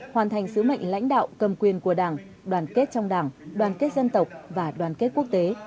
hoàn thành sứ mệnh lãnh đạo cầm quyền của đảng đoàn kết trong đảng đoàn kết dân tộc và đoàn kết quốc tế